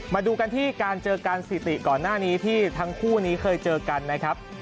มาดูกันที่การเจอกันสถิติก่อนหน้านี้ที่ทั้งคู่นี้เคยเจอกันนะครับ